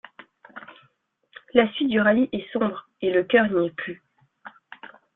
La suite du rallye est sombre et le cœur n'y est plus.